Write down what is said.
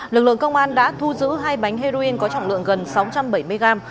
lực lượng công an đã thu giữ hai bánh heroin có trọng lượng gần sáu trăm bảy mươi gram